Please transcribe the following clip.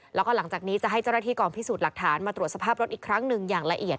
แล้วก็หลังจากนี้จะให้เจ้าหน้าที่กองพิสูจน์หลักฐานมาตรวจสภาพรถอีกครั้งหนึ่งอย่างละเอียด